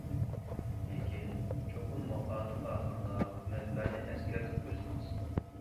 لېكىن، چوقۇم ماقالىنىڭ ئاخىرىدا مەنبەنى ئەسكەرتىپ قويسىڭىز.